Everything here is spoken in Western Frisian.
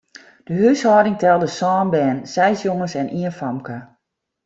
De húshâlding telde sân bern, seis jonges en ien famke.